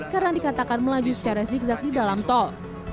karena dikatakan melaju secara zigzag di dalam tol